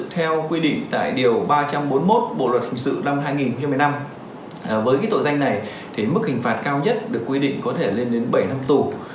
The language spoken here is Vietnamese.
theo quy định tại điều ba trăm bốn mươi một bộ luật hình sự năm hai nghìn một mươi năm với cái tội danh này thì mức hình phạt cao nhất được quy định có thể lên đến bảy năm tù